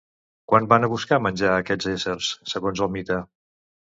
Quan van a buscar menjar aquests éssers, segons el mite?